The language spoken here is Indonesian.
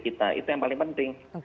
kita itu yang paling penting